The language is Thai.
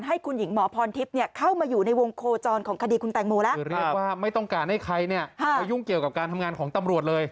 หายุ่งเกี่ยวกับการทำงานของตำรวจเลย